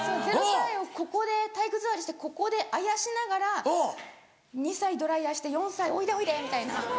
０歳をここで体育座りしてここであやしながら２歳ドライヤーして４歳「おいでおいで」みたいな。